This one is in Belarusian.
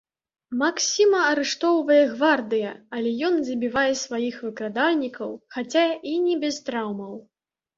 Максіма арыштоўвае гвардыя, але ён забівае сваіх выкрадальнікаў, хаця і не без траўмаў.